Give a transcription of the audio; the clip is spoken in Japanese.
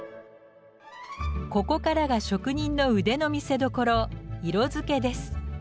ここからが職人の腕の見せどころ色づけです。